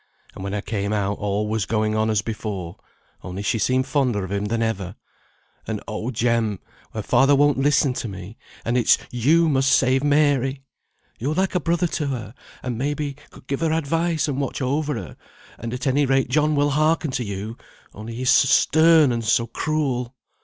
And when I came out, all was going on as before, only she seemed fonder of him than ever; and oh Jem! her father won't listen to me, and it's you must save Mary! You're like a brother to her, and maybe could give her advice and watch over her, and at any rate John will hearken to you; only he's so stern and so cruel."